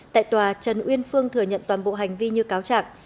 tại tòa trần uyên phương thừa nhận toàn bộ hành vi như cáo trạng